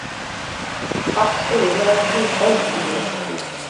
ئاقسۇ ۋىلايىتى باي ناھىيەسى